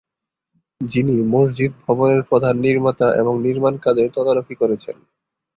যিনি মসজিদ ভবনের প্রধান নির্মাতা এবং নির্মাণ কাজের তদারকি করেছেন।